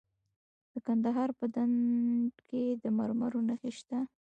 د کندهار په ډنډ کې د مرمرو نښې شته.